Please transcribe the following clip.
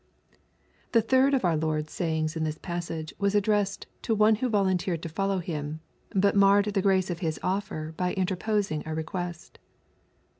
The third of our Lord's sayings in this passage was addressed to one who volunteered to foUow Hirrhy bt^ marred the grace of his offer by interposing a request.